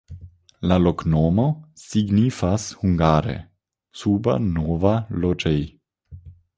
La loknomo signifas hungare: suba-nova-loĝej'.